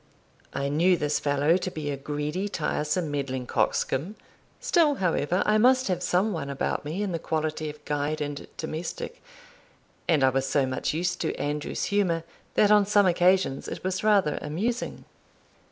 I knew this fellow to be a greedy, tiresome, meddling coxcomb; still, however, I must have some one about me in the quality of guide and domestic, and I was so much used to Andrew's humour, that on some occasions it was rather amusing.